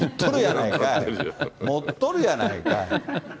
もっとるやないかい！